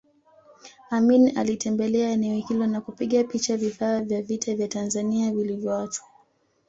Amin alitembelea eneo hilo na kupiga picha vifaa vya vita vya Tanzania vilivyoachwa